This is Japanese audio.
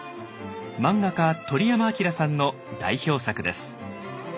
漫画家鳥山明さんの代表作です。